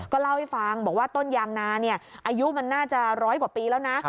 เล่าให้ฟังบอกว่าต้นยางนาอายุมันน่าจะร้อยกว่าปีแล้วนะ